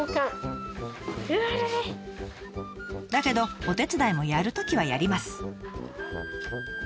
だけどお手伝いもやるときはやります。